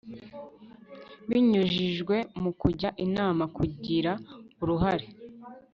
binyujijwe mu kujya inama kugira uruhare